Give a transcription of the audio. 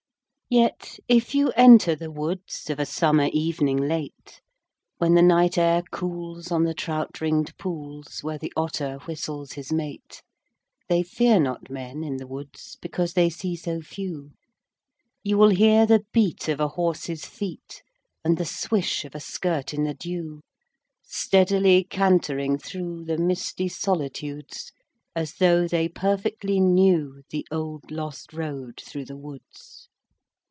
Yet, if you enter the woods Of a summer evening late, When the night air cools on the trout ringed pools Where the otter whistles his mate. (They fear not men in the woods, Because they see so few) You will hear the beat of a horse's feet, And the swish of a skirt in the dew, Steadily cantering through The misty solitudes, As though they perfectly knew The old lost road through the woods.